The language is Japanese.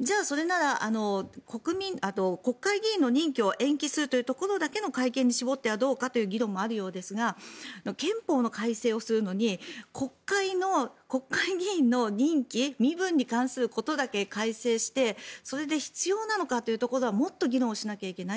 じゃあ、それなら国会議員の任期を延期するというところだけの改憲に絞ってはどうかという議論もあるようですが憲法の改正をするのに国会議員の任期身分に関することだけ改正してそれで必要なのかというところはもっと議論をしなきゃいけない。